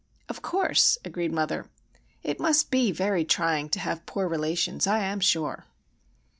"Of course," agreed mother. "It must be very trying to have poor relations, I am sure."